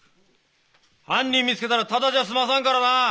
犯人見つけたらただじゃ済まさんからな！